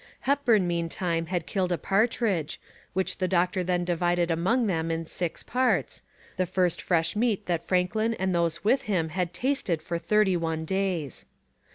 Hepburn meantime had killed a partridge, which the doctor then divided among them in six parts, the first fresh meat that Franklin and those with him had tasted for thirty one days.